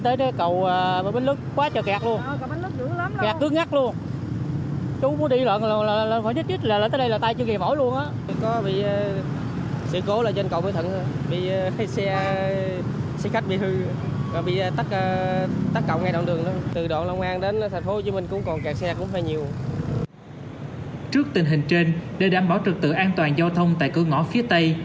trước tình hình trên để đảm bảo trực tự an toàn giao thông tại cửa ngõ phía tây